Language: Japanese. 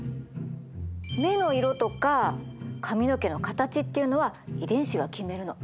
目の色とか髪の毛の形っていうのは遺伝子が決めるの。